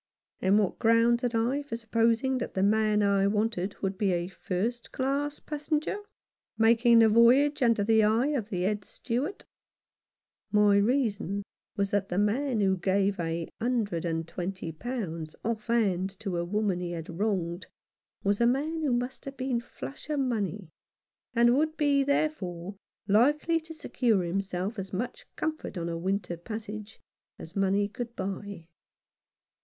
And what grounds had I for supposing that the man I wanted would be a first class passenger, making the voyage under the eye of the Head Steward ? My reason was that the man who gave a hundred and twenty pounds off hand to a woman he had wronged was a man who must have been flush of money, and would be, therefore, likely to secure himself as much comfort on a winter passage as money could buy.